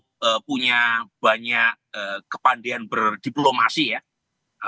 kita punya banyak kepandian berdiplomasi ya